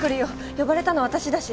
呼ばれたの私だし。